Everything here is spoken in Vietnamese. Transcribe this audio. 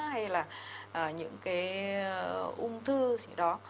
hay là những cái ung thư gì đó